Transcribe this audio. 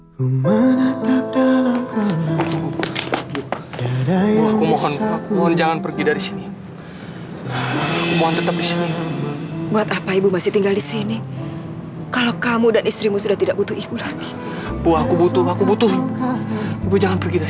sampai jumpa di video selanjutnya